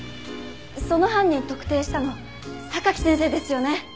その犯人特定したの榊先生ですよね。